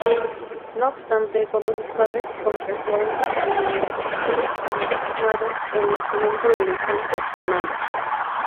No obstante, cuando sus padres contrajeron matrimonio, fue legitimado el nacimiento del infante Fernando.